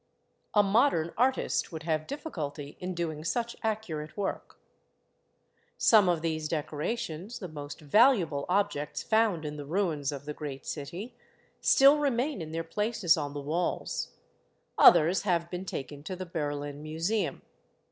A modern artist would have difficulty in doing such accurate work. Some of these decorations, the most valuable objects found in the ruins of the great city, still remain in their places on the walls; others have been taken to the Berlin Museum.